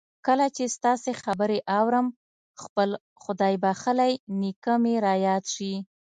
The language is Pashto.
کله چې ستاسې خبرې آورم خپل خدای بخښلی نېکه مې را یاد شي